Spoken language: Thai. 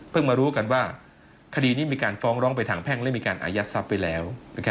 มารู้กันว่าคดีนี้มีการฟ้องร้องไปทางแพ่งและมีการอายัดทรัพย์ไปแล้ว